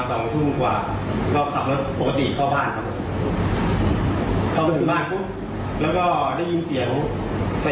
ให้โทรถามแม่ว่าเป็นยังไงบ้างเพราะว่าเกิดเหตุ